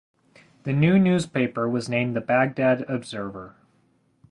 The new newspaper was named the "Baghdad Observer".